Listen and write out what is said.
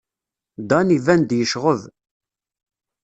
Dan iban-d yecɣeb.